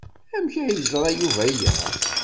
Amek ay yeẓra Yuba aya?